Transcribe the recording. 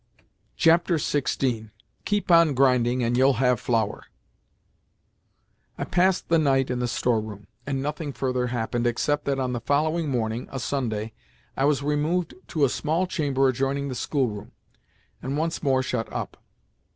XVI. "KEEP ON GRINDING, AND YOU'LL HAVE FLOUR" I passed the night in the store room, and nothing further happened, except that on the following morning—a Sunday—I was removed to a small chamber adjoining the schoolroom, and once more shut up.